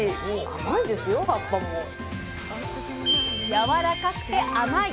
やわらかくて甘い！